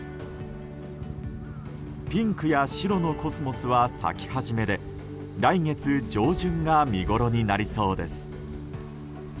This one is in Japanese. ピンクや白のコスモスは咲き始めで来月上旬が見ごろになりそうです。